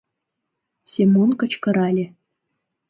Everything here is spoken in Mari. — Семон кычкырале.